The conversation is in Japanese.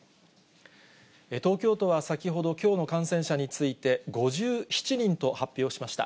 東京都は先ほど、きょうの感染者について、５７人と発表しました。